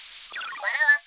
わらわす。